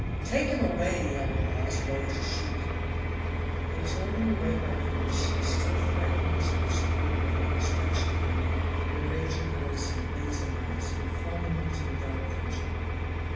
"Take him away," yelled Hawes, white as a sheet. They tore him away by force, still threatening his persecutor with outstretched hand and raging voice and blazing eyes, and flung him into the dark dungeon.